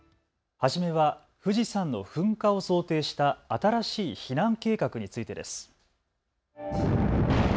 初めは富士山の噴火を想定した新しい避難計画についてです。